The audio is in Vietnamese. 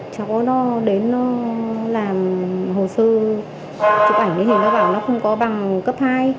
cháu nó đến làm hồ sơ chụp ảnh thì nó bảo nó không có bằng cấp hai